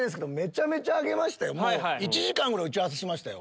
１時間ぐらい打ち合わせしましたよ。